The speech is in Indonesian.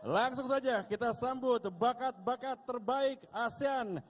langsung saja kita sambut bakat bakat terbaik asean